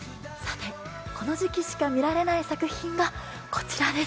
この時期しか見られない作品がこちらです。